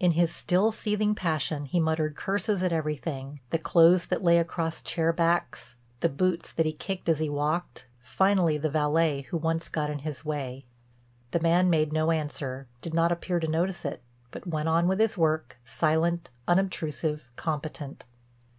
In his still seething passion he muttered curses at everything, the clothes that lay across chair backs, the boots that he kicked as he walked, finally the valet who once got in his way. The man made no answer, did not appear to notice it, but went on with his work, silent, unobtrusive, competent.